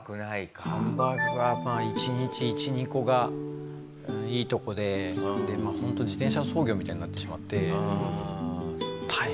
ハンバーグは１日１２個がいいとこでホント自転車操業みたいになってしまって。